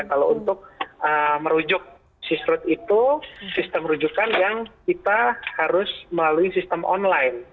kalau untuk merujuk sisrut itu sistem rujukan yang kita harus melalui sistem online